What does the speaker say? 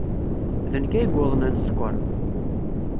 D nekk ay yuḍnen sskeṛ.